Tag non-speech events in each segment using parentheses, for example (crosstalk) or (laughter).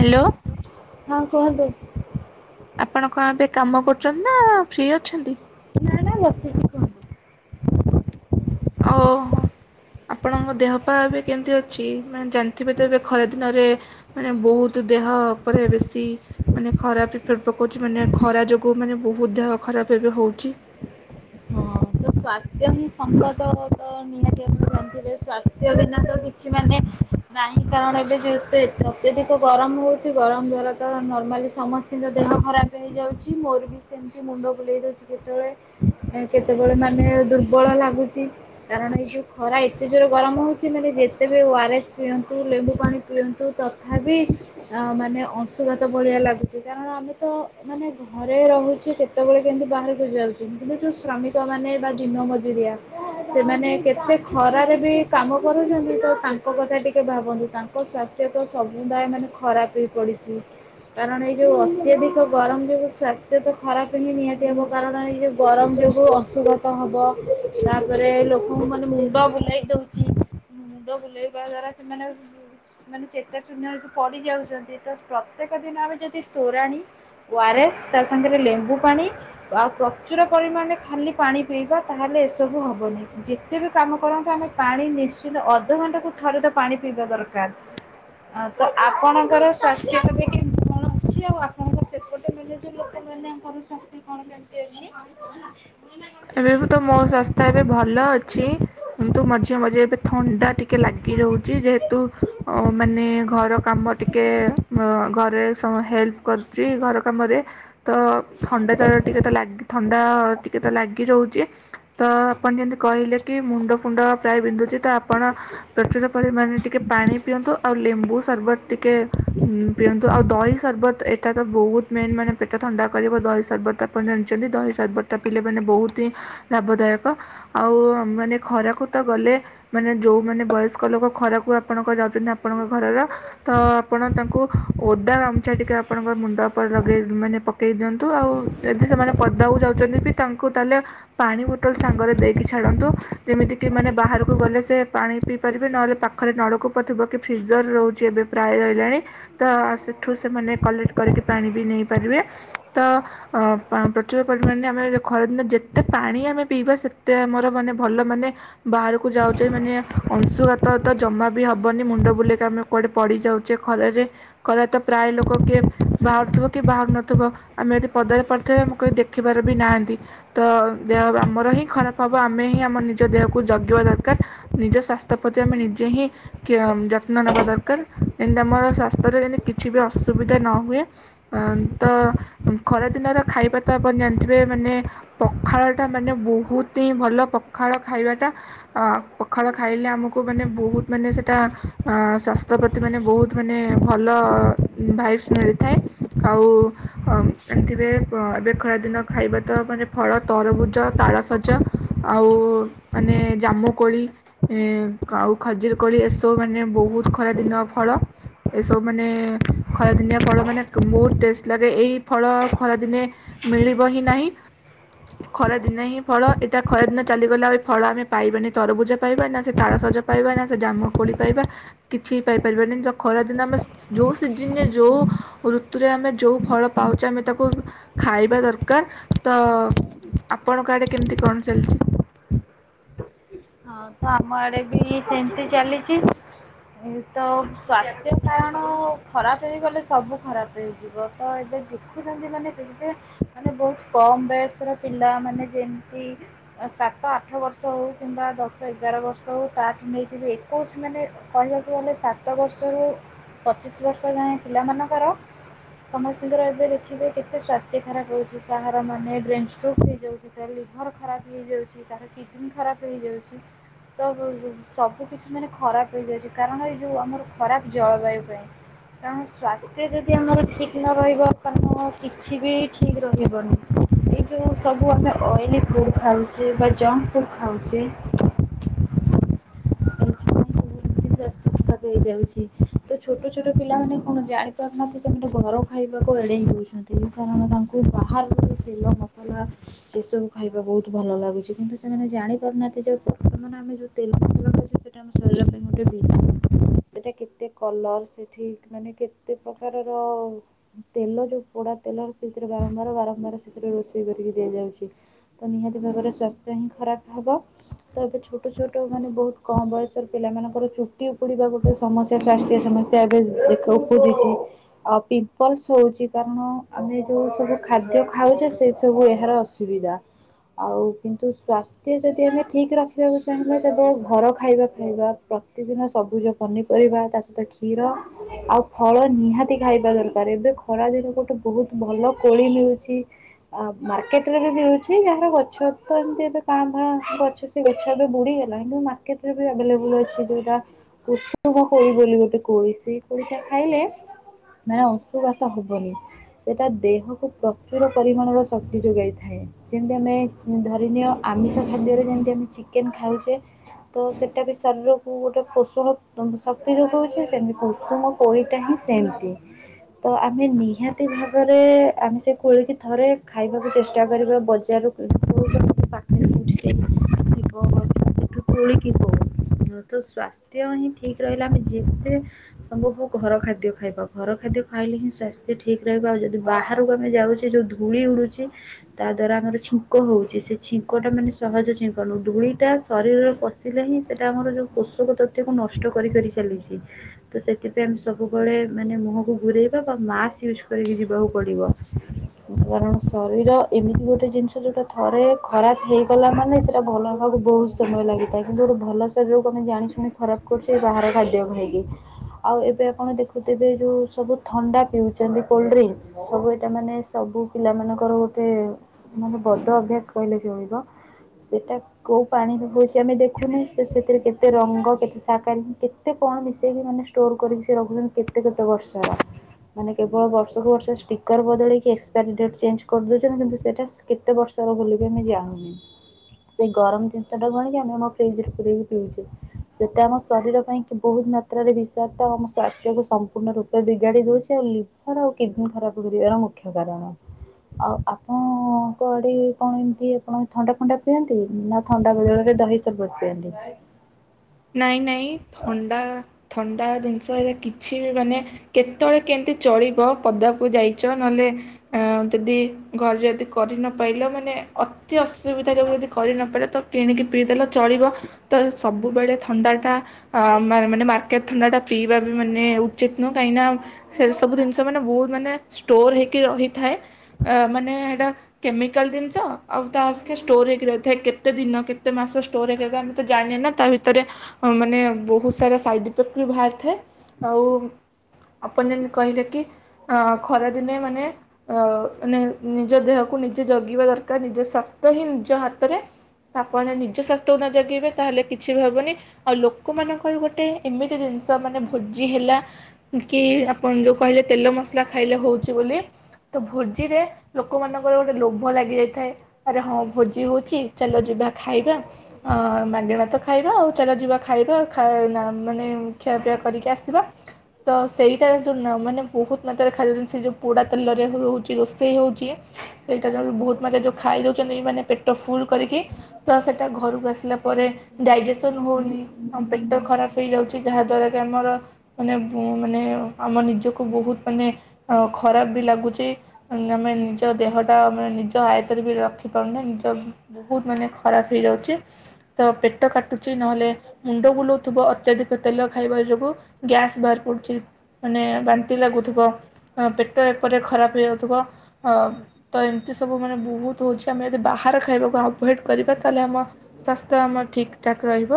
Hello. ହଁ କୁହନ୍ତୁ। ଆପଣ କଣ ଏବେ କାମ କରୁଚନ୍ତି ନା ଫ୍ରି ଅଛନ୍ତି? ନା ନା ବସିଚି କୁହ। ଓ ହ ଆପଣଙ୍କ ଦେହ ପା ଏବେ କେମିତି ଅଛି ମାନେ ଜାଣିଥିବେ ତ ଏବେ ଖରା ଦିନରେ ମାନେ ବହୁତ ଦେହ ଉପରେ ବେଶୀ ମାନେ ଖରାପ ଇଫେକ୍ଟ ପକାଉଚି ମାନେ ଖରା ଯୋଗୁ ମାନେ ବହୁତ ଦେହ ଖରାପ ଏବେ ହଉଚି। ହଁ ତ ସ୍ୱାସ୍ଥ୍ୟ ହିଁ ସମ୍ପଦ ତ ନିହାତି ଆପଣ ଜାଣିଥିବେ ସ୍ୱାସ୍ଥ୍ୟ ବିନା ତ କିଛି ମାନେ ନାହିଁ କାରଣ ଏବେ ଯେ ଅତ୍ୟଧିକ ଗରମ ହଉଚି ଗରମ ଦ୍ଵାରା ତ ନର୍ମାଲି ସମସ୍ତିଙ୍କ ଦେହ ଖରାପ ହେଇଯାଉଚି ମୋର ବି ସେମିତି ମୁଣ୍ଡ ବୁଲେଇ ଦଉଚି କେତେବେଳେ କେତେ କେତେବେଳେ ମାନେ ଦୁର୍ବଳ ଲାଗୁଚି କାରଣ ଏଇ ଯୋଉ ଖରା ଏତେ ଜୋର ଗରମ ହଉଚି ମାନେ ଯେତେବେ ଓ ଆର ଏସ୍ ପିଅନ୍ତୁ ଲେମ୍ବୁ ପାଣି ପିଅନ୍ତୁ ତଥାପି ମାନେ ଅଂଶୁଘାତ ଭଳିଆ ଲାଗୁଚି କାରଣ ଆମେ ତ ମାନେ ଘରେ ରହୁଚି କେତେବେଳେ କେମୁ ବାହାରକୁ ଯାଉଚୁ କିନ୍ତୁ ଯୋଉ ଶ୍ରମିକ କ ମାନେ ବା ଦିନ ମଜୁରିଆ ସେମାନେ କେତେ ଖରାରେ ବି କାମ କରୁଛନ୍ତି ତ ତାଙ୍କ କଥା ଟିକେ ଭାବନ୍ତୁ ତାଙ୍କ ସ୍ୱାସ୍ଥ୍ୟ ତ ସମୁଦାୟ ମାନେ ଖରାପ ହେଇ ପଡିଚି କାରଣ ଏଇ ଯୋଉ ଅତ୍ୟାଧିକ ଗରମ ଯୋଗୁ ସ୍ୱାସ୍ଥ୍ୟ ତ ଖରାପ ହିଁ ନିହାତି ହେବ କାରଣ ଏଇ ଯୋଉ ଗରମ ଯୋଗୁ ଅ ଅଂଶୁଘାତ ହବ ତାପରେ ଲୋକଙ୍କୁ ମାନେ ମୁଣ୍ଡ ବୁଲେଇ ଦଉଚି ମୁଣ୍ଡ ବୁଲେଇବା ଦ୍ଵାରା ସେମାନେ ମାନେ ଚେତା ଶୂନ୍ୟ ହେଇକି ପଡି ଯାଉଚନ୍ତି ତ ପ୍ରତ୍ୟେକ ଦିନ ଆମେ ଯଦି ତୋରାଣି ଓ ଆର ଏସ୍ ତା ସାଙ୍ଗରେ ଲେମ୍ବୁ ପାଣି ଆଉ ପ୍ରଚୁର ପରିମାଣରେ ଖାଲି ପାଣି ପିଇବା ତାହେଲେ ଏସବୁ ହବନି ଯେତେ ବି କାମ କରନ୍ତୁ ଆମେ ପାଣି ନିଶ୍ଚିତ ଅଧଘଣ୍ଟା କୁ ଥରେ ତ ପାଣି ପିଇବା ଦରକାର ତ ଆପଣଙ୍କର ସ୍ୱାସ୍ଥ୍ୟତେବେ କେମିତି କଣ ଅଛି ଆଉ ଆପଣଙ୍କ ସେପଟେରେ ଏବେ ଲୋକ ମାନେ କରୁଛନ୍ତି କଣ କେମିତି ଅଛି? ଏବେ ବି ତ ମୋ ସ୍ଵାସ୍ଥ୍ୟ ଏବେ ଭଲ ଅଛି କିନ୍ତୁ ମଝି ମଝିରେ ଏବେ ଥଣ୍ଡା ଟିକେ ଲାଗି ରହୁଛି ଯେହେତୁ ମାନେ ଘର କାମ ଟିକେ ଘ। ସମୟ। ହେଲ୍ପ କରୁଛି ଘର କାମରେ ତ ଥଣ୍ଡା ଚାଉଳ ଟିକେ ତ ଲାଗି ଥଣ୍ଡା ଟିକେ। ରହୁଛି ତ ଆପଣ ଯେମିତି କହିଲେ କି ମୁଣ୍ଡ ଫୁଣ୍ଡ ପ୍ରାୟ ବିନ୍ଧୁଛି ତ ଆପଣ ପ୍ରଚୁର ପରିମାଣ ଟିକେ ପାଣି ପିଅନ୍ତୁ ଆଉ ଲେମ୍ବୁ ସର୍ବତ। ଟିକେ ଉ ପିଅନ୍ତୁ। ତ ଆଉ ଦହି ସରବତ ଏଟା ତ ବହୁତ ମେନ୍ ମାନେ ପେଟ ଥଣ୍ଡା କରିବ ଦହି ସରବତ ଆପଣ ଜାଣିଛନ୍ତି ଦହି ସରବତଟା। ପିଲାମାନେ ବହୁତ ହିଁ ଲାଭଦାୟକ ଆଉ ମାନେ ଖରାକୁ ତ ଗଲେ ମାନେ ଯୋଉମାନୋନ ବୟସ୍କ ଲୋକ ଖରାକୁ ଆପଣଙ୍କ ଯାଉଛନ୍ତି ଆପଣଙ୍କ ଘରର ତ ଆପଣ ତାଙ୍କୁ ଓଦା ଗାମଛା ଟିକେ ଆପଣଙ୍କ ମୁଣ୍ଡ ଉପରେ ଲଗେଇ ମାନେ ପକେଇ ଦିଅନ୍ତୁ ଆଉ ଯଦି ସେମାନେ ପଦାକୁ ଯାଉଛନ୍ତି ବି। ତାଙ୍କୁ ତାହେଲେ ପାଣି ବୋଟଲ ସାଙ୍ଗରେ ଦେଇକି ଛାଡ଼ନ୍ତୁ ଯେମିତିକି ମାନେ ବାହାରକୁ ଗଲେ ସେ ପାଣି ପିଇ ପାରିବେ ନହେଲେ ପାଖରେ ନଳକୂପ ଥିବ କି ଫ୍ରିଜର ରହୁଛି ଏବେ ପ୍ରାୟ ରହିଲାଣି ତ ସେଠୁ ସେମାନେ କଲେକ୍ଟ କରିକି ପାଣି ବି ନେଇପାରିବେ ତ ପ୍ରଚୁର ପରିମାଣରେ ଆମେ। ଖରାଦିନ ଯେତେ ପାଣି ଆମେ ପିଇବା ସେତେ ଆମର ମାନେ ଭଲ ମାନେ ବାହାରକୁ ଯାଉଛେ ମାନେ ଅଂଶୁଘାତ ତ ଜମା ବି ହେବନି ମୁଣ୍ଡ ବୁଲେଇକି ଆମେ କୁଆଡ଼େ ପଡ଼ିଯାଉଛେ ଖରାରେ ଖରା ତ ପ୍ରାୟ ଲୋକ କିଏ ବାହାରୁଥିବ କି ବାହାରୁ ନଥିବ ଆମେ ଯଦି ପଦାରେ ପଡ଼ିଥିବେ ଆମ କେହି ଦେଖିବାର ବି ନାହାଁନ୍ତି। ତ ଦେହ ଆମର ହିଁ ଖରାପ ହବ ଆମେ ହିଁ ଆମ ନିଜ ଦେହକୁ ଜଗିବା ଦରକାର ନିଜ ସ୍ୱାସ୍ଥ୍ୟ ପ୍ରତି ଆମେ ନିଜେ ହିଁ ଯତ୍ନ ନେବା ଦରକାର ଯେମିତି ଆମର ସ୍ୱାସ୍ଥ୍ୟରେ ଯେମିତି କିଛି ବି ଅସୁବିଧା ନ ହୁଏ ତ ଖରାଦିନର ଖାଇପାତ ଆପଣ ଜାଣିଥିବେ ମାନେ। ପଖାଳ ଟା ମାନେ ବହୁତ ହିଁ ଭଲ ପଖାଳ ଖାଇବାଟା ପଖାଳ ଖାଇଲେ ଆମକୁ ମାନେ ବହୁତ ମାନେ ସେଟା ସ୍ଵାସ୍ଥ୍ୟ ପ୍ରତି ମାନେ ବହୁତ ମାନେ ଭଲ ଭାଇଭ୍ସ ମିଳିଥାଏ ଆଉ ଏମଥିବେ ଏବେ ଖରାଦିନ ଖାଇବା। ତ ମାନେ ଫଳ ତରଭୁଜ ତାଳସଜ ଆଉ ମାନେ ଜାମୁକୋଳି ଆଉ ଖଜିରକୋଳି ଏସବୁ ମାନେ ବହୁତ ଖରାଦିନଆ ଫଳ ଏସବୁ ମାନେ ଖରାଦିନିଆ ଫଳ ମାନେ ବହୁତ ଟେଷ୍ଟ ଲାଗେ ଏଇ ଫଳ ଖରାଦିନେ ମିଳିବ ହିଁ ନାହିଁ। ଖରା ଦିନେ ହିଁ ଫଳ ଏଇଟା ଖରା ଦିନ ଚାଲିଗଲା ଆଉ ଫଳ ଆମେ ପାଇବାନି ତରଭୁଜା ପାଇବା ନା ସେ ତାଳସଜା ପାଇବା ନା ସେ ଜାମ କୋଳି ପାଇବା କିଛି ପାଇପାରିବାନି ତ ଖରା ଦିନ ଆମେ ଯୋଉ ସିଜନରେ ଯୋଉ ଋତୁରେ ଆମେ ଯୋଉ ଫଳ ପାଉଛେ ଆମେ ତାକୁ ଖାଇବା ଦରକାର। ତ ଆପଣଙ୍କ ଆଡ଼େ କେମିତି କଣ ଚାଲିଛି। ହଁ ତ ଆମ ଆଡେ ବି ସେମିତି ଚାଲିଛି ତ ସ୍ଵାସ୍ଥ୍ୟ କାରଣ ଖରାପ ହେଇଗଲେ ସବୁ ଖରାପ ହେଇଯିବ ତ ଏବେ ଦେଖୁଛନ୍ତି ମାନେ ସେଥିରେ ମାନେ ବହୁତ କମ ବୟସର ପିଲା ମାନେ ଯେମିତି ସାତ ଆଠ ବର୍ଷ ହଉ କିମ୍ବା। ଦଶ ଏଗାର ବର୍ଷ ହେଉ ତା କି ନେଇାଇଥିବେ ଏକୋଇଶ ମାନେ କହିବାକୁ ଗଲେ ସାତ ବର୍ଷରୁ ପଚିଶ ବର୍ଷ ଯାଏ ପିଲାମାନଙ୍କର ସମସ୍ତଙ୍କର ଏବେ ଦେଖିବେ କେତେ ସ୍ୱାସ୍ଥ୍ୟ ଖରାପ ହେଉଛି କାହାର ମାନେ ବ୍ରେନ୍ ଷ୍ଟ୍ରୋକ୍ ହେଇଯାଉଛି ତାାର ଲିଭର୍ ଖରାପ ହେଇଯାଉଛି ତାହାର କିଡ଼ନୀ ଖରାପ ହେଇଯାଉଛି। ତ ସବୁ କିଛି ମାନେ ଖରାପ ହେଇଯାଉଛି କାରଣ ଏଇ ଯୋଉ ଆମର ଖରାପ ଜଳବାୟୁ ପାଇଁ କାରଣ ସ୍ୱାସ୍ଥ୍ୟ ଯଦି ଆମର ଠିକ ନ ରହିବ କାରଣ କିଛି ବି ଠିକ ରହିବନି ଏଇ ଯେଉଁ ସବୁ ଆମେ ଅଏଲି ଫୁଡ଼ ଖାଉଛେ ବା ଜଙ୍କ ଫୁଡ଼୍ ଖାଉଛେ। (inaudible) ଦେଖ ହେଇଯାଉଛି ତ ଛୋଟ ଛୋଟ ପିଲାମାନେ କଣ ଜାଣିପାରୁନାହାନ୍ତି ସେମାନେ ଘର ଖାଇବାକୁ ଏଡ଼େଇ ଦେଉଛନ୍ତି କାରଣ ତାଙ୍କୁ ବାହାର ତେଲ ମସଲା ଏସବୁ ଖାଇବା ବହୁତ ଭଲ ଲାଗୁଛି କିନ୍ତୁ ସେମାନେ ଜାଣିପାରୁନାହାନ୍ତି ଯେ ବର୍ତ୍ତମାନ ଆମେ ଯେଉଁ ତେଲ ମସଲାଛେ ସେଇଟା ଆମ ଶରୀର ପାଇଁ ଗୋଟେ ବ। ସେଟା କେତେ କଲର ସେଠିକ ମାନେ କେତେ ପ୍ରକାରର ତେଲ ଯୋଉ ପୋଡା ତେଲର ସେଥିରେ ବାରମ୍ବାର ବାରମ୍ବାର ସେଥିରେ ରୋଷେଇ କରିକି ଦିଆଯାଉଛି ତ ନିହାତି ଭାବରେ ସ୍ୱାସ୍ଥ୍ୟ ହିଁ ଖରାପ ହବ ତ ଏବେ ଛୋଟ ଛୋଟ ମାନେ ବହୁତ କମ ବୟସର ପିଲାମାନଙ୍କର ଚୁଟି। ଉପୁଡିବା ଗୋଟେ ସମସ୍ୟା ସ୍ୱାସ୍ଥ୍ୟ ସମସ୍ୟା ଏବେ ଦେ ଉପୁଜିଛି ଆଉ ପିମ୍ପଲସ ହଉଛି କାରଣ ଆମେ ଯୋଉ ସବୁ ଖାଦ୍ୟ ଖାଉଛେ ସେ ସବୁ ଏହାର ଅସୁବିଧା ଆଉ କିନ୍ତୁ ସଵାସ୍ଥ୍ୟ ଯଦି ଆମେ ଠିକ ରଖିବାକୁ ଚାହିଁବା ତେବେ ଘର ଖାଇବା ଖାଇବା ପ୍ରତିଦିନ। ସବୁଜ ପନିପରିବା ତା ସହିତ କ୍ଷୀର ଆଉ ଫଳ ନିହାତି ଖାଇବା ଦରକାର ଏବେ ଖରା ଦିନ ଗୋଟେ ବହୁତ ଭଲ କୋଳି ମିଳୁଛି ଆ ମାର୍କେଟରେ ବି ମିଳୁଛି ଯାହାର ଗଛ ତ ଏମତି ଏବେ କାଁ ଫାଁ ଗଛ ସେ ଗଛ ଏବେ ବୁଡିଗଲା କିନ୍ତ ମାର୍କେଟରେ ବି ଆଭଲେବୁଲ ଅଛି ଯୋଉଟା। ଉୁଷୁମ କୋଳି ବୋଲି ଗୋଟେ କୋଳି ସେଇ କୋଳିଟା ଖାଇଲେ ମାନେ ଅଶୁଘାତ ହବନି ସେଟା ଦେହକୁ ପ୍ରଚୁର ପରିମାଣର ଶକ୍ତି ଯୋଗାଇଥାଏ ଯେମିତି ଆମେ ଧରିନୀୟ ଆମିଷ ଖାଦ୍ୟରେ ଯେମତି ଆମେ ଚିକେନ ଖାଉଛେ ତ ସେଟା ବି ଶରୀରକୁ ଗୋଟେ। ଶକ୍ତି ରୂପ ହଉଛି ସେମିତି କୁଷୁମ କୋଳି ଟା ହିଁ ସେମିତି ତ ଆମେ ନିହାତି ଭାବରେ ଆମେ ସେ କୋଳି କିି ଥରେ ଖାଇବାକୁ ଚେଷ୍ଟା କରିବା ବଜାରଖରେଠି ସେଠୁ କୋଳିଥ୍ୟ। ଖଦ୍ୟ ହିଁ ଠିକ ରହିଲେ ଆମେ ଯେତେ ସମ୍ଭବ ଘର ଖାଦ୍ୟ ଖାଇବା ଘର ଖାଦ୍ୟ ଖାଇଲେ ହିଁ ସ୍ୱାସ୍ଥ୍ୟ ଠିକ ରହିବ ଆଉ ଯଦି ବାହାରକୁ ଆମେ ଯାଉଛେ ଯଉ ଧୂଳି ଉଡୁଛି ତା ଦ୍ଵାରା ଆମର ଛିଙ୍କ ହଉଛି ସେ ଛିଙ୍କଟା ମାନେ ସହଜ ଛିଙ୍କ ନ ଧୂଳିଟା ଶରୀରର। ଲଗେଇଲେ ହିଁ ସେଇଟା ଆମର ଯେଉଁ (inaudible) (inaudible) (unintelligible) କୁ ନଷ୍ଟ କରି କରି ଚାଲିଛି ତ ସେଥିପାଇଁ ଆମେ ସବୁବେଳେ ମାନେ ମୁହଁକୁ ଘୁରେଇବା ବା ମାସ୍କ ୟୁଜ କରିକି ଯିବାକୁ ପଡିବ କାରଣ ଶରୀର ଏମିତି ଗୋଟେ ଜିନିଷ ଯୋଉଟା ଥରେ ଖରାପ ହେଇଗଲା ମାନେ ସେଟା ଭଲ ହେବାକୁ ବହୁତ ସମୟ ଲାଗିଥାଏ କିନ୍ତୁ ଗୋଟେ ଭଲ ଶରୀରକୁ ଆମେ ଜାଣି ଶୁଣି। ଖରାପ କରୁଛି ବାହାର ଖାଦ୍ୟ ଖାଇକି ଆଉ ଏବେ ଆପଣ ଦେଖୁଥିବେ ଯେଉଁ ସବୁ ଥଣ୍ଡା ପିଉଛନ୍ତି କୋଲ୍ଡ ଡ୍ରିଙ୍କସ୍ ସବୁ ଏଇଟା ମାନେ ସବୁ ପିଲାମାନଙ୍କର ଗୋଟେ ମାନେ ବଦ ଅଭ୍ୟାସ କହିଲେ ଜଳିବ ସେଇଟା କେଉଁ। ପାଣି ହଉଛି ଆମେ ଦେଖୁନି ସେଥିରେ କେତେ ରଙ୍ଗ। ସାକାର କେତେ କଣ ମିଶେଇକି ମାନେ ଷ୍ଟୋର କରିକି ସେ ରଖୁଛନ୍ତି କେତେ କେତେ ବର୍ଷର ମାନେ କେବଳ ବର୍ଷକୁୁ ବର୍ଷ ଷ୍ଟିକର ବଦଳେଇକି ଏକ୍ସପାରୀ ଡେଟ ଚେଞ୍ଜ କରିଦଉଛନ୍ତି କିନ୍ତୁ ସେଇଟା କେତେ ବର୍ଷର ବୋଲି ବି ଆମେ ଜାଣୁନି ସେଇ ଗରମ ଜିନିଷଟା ଗଣିକି ଆମେ ଆମ ଫ୍ରିଜରେ ପକି ପିଉଛେ। ସେଟା ଆମ ଶରୀର ପାଇଁ ବହୁତ ମାତ୍ରାରେ ବିଷାକ୍ତ ଆଉ ଆମ ସ୍ୱାସ୍ଥ୍ୟ କ ସମ୍ପୂର୍ଣ୍ଣ ରୂପେ ବିଗାଡି ଦଉଛି ଆଉ ଲିଭର ଆଉ କିଡନୀ ଖରାପ କରିବାର ମୁଖ୍ୟ କାରଣ ଆଉ ଆପଣଙ୍କ ଆଡେ କଣ ଏମିତି ଆପଣ ଥଣ୍ଡା ଫଣ୍ଡା ପିଅନ୍ତି ନା ଥଣ୍ଡା ବଳରେ ଦହି ସର୍ବତ ପିଅନ୍ତି। ନାଇଁ ନାଇଁ ଥଣ୍ଡା। ଥଣ୍ଡା ଜିନିଷ ଏଲେ କିଛି ବି ମାନେ କେତେବେଳେ କେମିତି ଚଳିବ ପଦାକୁ ଯାଇଛ ନହେଲେ ଯଦି ଘରେ ଯଦି କରିନପାରଲ ମାନେ ଅତି ଅ ସୁବିଧା ଯୋଗୁଁ ଯଦି କରି ନପାରେ ତ କିଣିକି ପିିଦେଲ ଚଳିବ ତ ସବୁ ବୁବେଳେ ଥଣ୍ଡାଟା ଆମେ ମାନେ ମାର୍କେଟ ଥଣ୍ଡା ଟା ପିଇବାକୁ ମାନେ ଉଚିତ ନୁ କାହିଁକ ନା ସେ ସବୁ ଜିନିଷ ମାନେ ବହୁତ ମାନେ ଷ୍ଟୋର ହେଇକି ରହିଥାଏ ମାନେ ସେଇଟା କେମିକାଲ ଜିନିଷ ଆଉ ତାପକ୍ଷେ ଷ୍ଟୋର ହେଇକି ରହିଥାଏ। କେତେ ଦିନ କେତେ ମାସ ଷ୍ଟୋର ହେଇକଥାଏ ଆମେ ତ ଜାଣିନ ନା ତା ଭିତରେ ହାତରେ ମାନେ ବହୁତ ସାରା ସାଇଡ୍ ଇଫେକ୍ଟ ବି ବାହାରିଥାଏ। ଆଉ ଆପଣ ଯେମିତି କହିଲେ କି ଖରା ଦିନେ ମାନେ ମ ନିଜ ଦେହକୁ ନିଜେ ଜଗିବା ଦରକାର ନିଜ ସ୍ଵାସ୍ଥ୍ୟ ହିଁ ନିଜ ହାତରେ ଆପଣ ନିଜ ସ୍ୱାସ୍ଥ୍ୟକୁ ନ ଜଗିବେ ତାହେଲେ କିଛି ବି ହେବନି ଆଉ ଲୋକମାନଙ୍କର ଗୋଟେ ଏମିତି ଜିନିଷ ମାନେ ଭୋଜି ହେଲା କି ଆପଣ ଯେଉଁ କହିଲେ ତେଲ ମସଲା ଖାଇଲେ ହେଉଛି ବୋଲି ତ ଭୋଜିରେ ଲୋକମାନଙ୍କର ଗୋଟେ ଲୋଭ ଲାଗିଯାଇଥାଏ ଆରେ ହଁ ଭୋଜି ହେଉଛି ଚାଲ ଯିବା ଖାଇବା ମାଗଣା ତ ଖାଇବା ଆଉ ଚାଲ ଯିବା ଖାଇବା ମାନେ ଖିଆପିଆ କରିକି ଆସିବା ତ ସେଇଟାରେ ଯେଉଁ ମାନେ ବହୁତ ମାତ୍ରାରେ ଖାଇଦଉଛନ୍ତି ସେ ଯେଉଁ ପୋଡ଼ା ତେଲରେ ରହୁଛି ରୋଷେଇ ହେଉଛି ସେଇଟାରେ ଯେଉ ବହୁତ ମାତ୍ରାରେ ଯେଉଁ ଖାଇ ଦେଉଛନ୍ତି ମାନେ ପେଟ ଫୁଲ କରିକି ତ ସେଇଟା ଘରକୁ ଆସିଲା ପରେ ଡାଇଜେସନ୍ ହେଉନି ଆଉ ପେଟ ଖରାପ ହେଇଯାଉଛି ଯାହାଦ୍ୱାରା କି ଆମର ମାନେ ମାନେ ଆମ ନିଜକୁ ବହୁତ ମାନେ ଖରାପ ବି ଲାଗୁଛି ଆମେ ନିଜ ଦେହଟା ଆମେ ନିଜ ଆୟତରେ ବି ରଖିପାରୁନେ ନିଜ ବହୁତ ମାନେ ଖରାପ ହେଇଯାଉଛି ତ ପେଟ ପେଟ କାଟୁଛି ନହେଲେ ମୁଣ୍ଡ ବୁଲାଉଥିବ ଅତ୍ୟଧିକ ତେଲ ଖାଇବା ଯୋଗୁଁ ଗ୍ୟାସ୍ ବାହାରି ପଡ଼ୁଛି ମାନେ ବାନ୍ତି ଲାଗୁଥିବ ପେଟ ଏପରି ଖରାପ ହେଇଯାଉଥିବ ତ ଏମିତି ସବୁ ମାନେ ବହୁତ ହେଉଛି ଆମେ ଯଦି ବାହାର ଖାଇବାକୁ ଆଭଏଡ଼୍ କରିବା ତାହେଲେ ଆମ ସ୍ୱାସ୍ଥ୍ୟ ଆମର ଠିକ୍। ଠିକଠାକ ରହିବ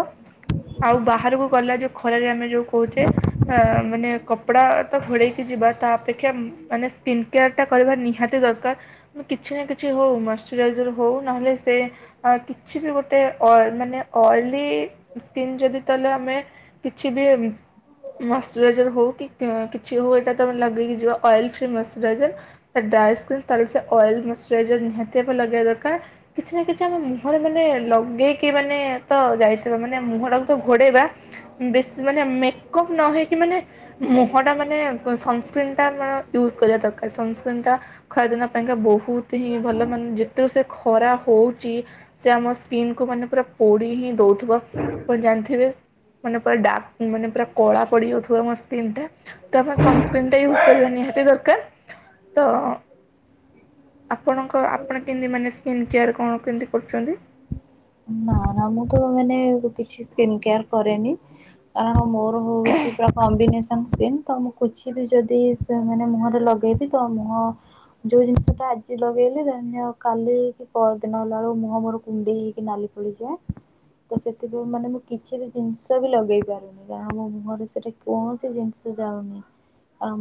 ଆଉ ବାହାରକୁ ଗଲା ଯେଉଁ ଖରାରେ ଆମେ ଯେଉଁ କହୁଛେ ମାନେ କପଡ଼ା ତ ଘୋଡ଼େଇକି ଯିବା ତା ଅପେକ୍ଷା ମାନେ ସ୍କିନ୍ କେୟାର ଟା କରିବା ନିହାତି ଦରକାର କିଛି ନା କିଛି ହେଉ ମଇଶ୍ଚୁରାଇଜର ହେଉ ନହେଲେ ସେ କିଛି ବି ଗୋଟେ ଅଏଲ୍ ମାନେ ଅଏଲି ସ୍କିନ୍ ଯଦି ତାହେଲେ ଆମେ କିଛି ବି ମଶ୍ଚରାଇଜର୍ ହେଉ କି କିଛି ହେଉ ଏଇଟା ତମେ ଲଗେଇକି ଯିବ ଅଏଲ ଫ୍ରି ମସଚୁରାଇଜର ତ ଡ୍ରାଏ ସ୍କିନ ତାହେଲେ ସେ ଅଏଲ୍ ମଶ୍ଚୁରାଇଜର ନିହାତି ଆଗ ଲଗେଇବା ଦରକାର କିଛି ନା କିଛି ଆମେ ମୁହଁରେ ମାନେ ଲଗେଇକି ମାନେ ତ ଯାଇଥିବ ମାନେ ମୁହଁଟାକୁ ତ ଘୋଡ଼ାଇବା ବେଶୀ ମାନେ ମେକଅପ୍ ନ ହେଇକି ମାନେ ମୁହଁଟା ମାନେ ସନସ୍କ୍ରିନ୍ ଟା ୟୁଜ୍ କରିବା ଦରକାର ସନସ୍କ୍ରିନ୍ ଟା ଖରାଦିନ ପାଇଁକା ବହୁତ ହି ଭଲ ମାନେ ଯେତେ (unintelligible) ଖରା ହଉଛି ସେ ଆମ ସ୍କିନ୍ କୁ ମାନେ ପୁରା ପୋଡି ଦେଉଥିବ ଆପଣ ଜାଣିଥିବେ ମାନେ ପୁରା ଡାର୍କ ମାନେ ପୁରା କଳା ପଡ଼ିଯାଉଥିବ ଆମ ସ୍କିନ୍ ଟା ତ ଆପଣ ସନସ୍କ୍ରିନ୍ ଟା ୟୁଜ କରିବା ନିହାତି ଦରକାର। (unintelligible) ତ ଆପଣଙ୍କ ଆପଣ କେମତି ମାନେ ସ୍କିନ୍ କେୟାର୍ କଣ କେମିତି କରୁଛନ୍ତି? ନା ନା ମୁଁ ତ ମାନେ କିଛି ସ୍କିନକେୟାର କରେନି କାରଣ ମୋର ହଉଛି ପା କମ୍ବିନେସନ ସ୍କିନ୍ ତ ମୁଁ କିଛି ବି ଯଦି ମାନେ ମୁହଁରେ ଲଗେଇବି ତ ମୁହଁ ଯୋଉ ଜିନିଷ ଟା ଆଜି ଲଗେଇଲି କାଲି କି ପରଦିନ ହେଲା ବେଳକୁ ମୁହଁ ମୋର କୁଣ୍ଡେଇ ନାଲି ପଡିଯାଏ। ତ ସେଥିପାଇଁ ମାନେ ମୁଁ କିଛି ବି ଜିନିଷ ବି ଲଗେଇ ପାରୁନି ଯାହା ମୋ ମୁହଁରେ ସେଟା କୌଣସି ଜିନିଷ ଯାଉନି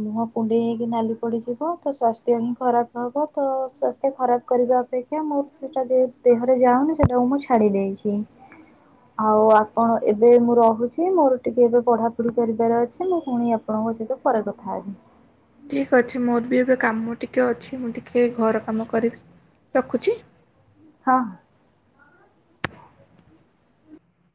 ମୁହଁ କୁଣ୍ଡେଇ ହେଇକି ନାଲି ପଡିଯିବ ତ ସ୍ଵାସ୍ଥ୍ୟ ହିଁ ଖରାପ ହବ ତ ସ୍ଵାସ୍ଥ୍ୟ ଖରାପ କରିବା ଅପେକ୍ଷା ମୁଁ ସେଟା ଦେହରେ ଯାଉନି ସେଟାକୁ ମୁଁ ଛାଡି ଦେଇଛି। ଆଉ ଆପଣ ଏବେ ମୁଁ ରହୁଛି ମୋର ଟିକେ ଏବେ ପଢାପଢି କରିବାର ଅଛି ମୁଁ ପୁଣି ଆପଣଙ୍କ ସହିତ ପରେ କଥା ହେବି। ଠିକ୍ ଅଛି ମୋର ବି ଏବେ କାମ ଟିକେ ଅଛି ମୁଁ ଟିକେ ଘର କାମ କରିବି ରଖୁଛି। ହଁ ହଁ